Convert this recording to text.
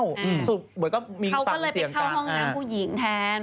เขาก็เลยไปเข้าห้องงานผู้หญิงแทน